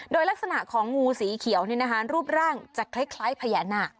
โดยลักษณะของงูสีเขียวเนี้ยนะคะรูปร่างจะคล้ายคล้ายพญานาค